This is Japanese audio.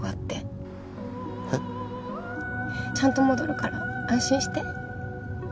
えっ？ちゃんと戻るから安心して。